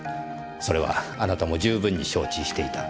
それはあなたも十分に承知していた。